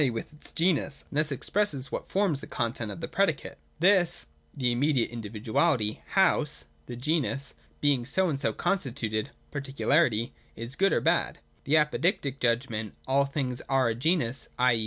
e. with its genus ; and thus expresses what forms the content of the predicate (see § 178). [This {the immediate individuality) house (the genus), being so and so constituted {particularity), is good or bad.] This is the Apodictie judgment. All things are a genus (i.